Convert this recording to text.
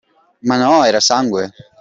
Ma no, era sangue.